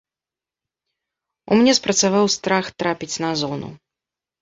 У мне спрацаваў страх трапіць на зону.